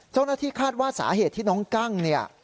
เจ้าหน้าที่คาดว่าสาเหตุที่น้องกั้งเนี่ย